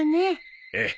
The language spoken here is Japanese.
ええ。